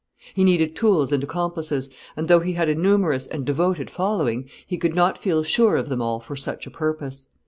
He needed tools and accomplices; and though he had a numerous and devoted following, he could not feel sure of them all for such a purpose.